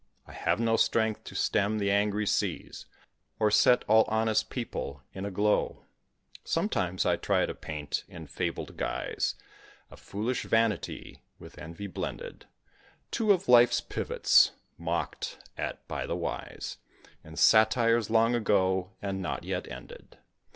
I have no strength to stem the angry seas, Or set all honest people in a glow. Sometimes I try to paint in fabled guise, A foolish vanity, with envy blended; Two of life's pivots, mocked at by the wise, In satires long ago, and not yet ended.